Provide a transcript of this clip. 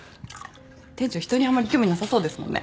店長人にあんまり興味なさそうですもんね。